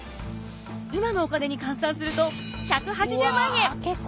今のお金に換算すると１８０万円！